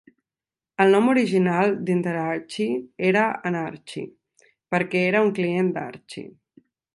El nom original d'Interarchy era "Anarchie" perquè era un client d'Archie.